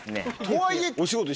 とはいえ。